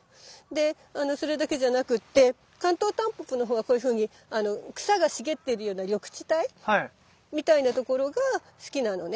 それだけじゃなくってカントウタンポポのほうはこういうふうに草が茂ってるような緑地帯みたいな所が好きなのね。